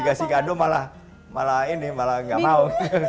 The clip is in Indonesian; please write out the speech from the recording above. ngasih kado malah malah ini malah nggak mau